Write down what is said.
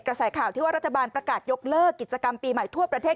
กระแสข่าวที่ว่ารัฐบาลประกาศยกเลิกกิจกรรมปีใหม่ทั่วประเทศ